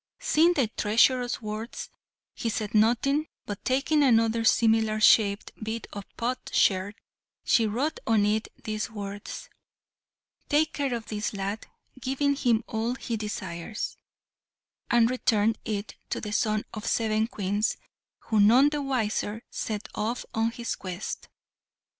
Seeing the treacherous words, she said nothing, but taking another similar shaped bit of potsherd, she wrote on it these words "Take care of this lad, giving him all he desires," and returned it to the son of seven Queens, who, none the wiser, set off on his quest.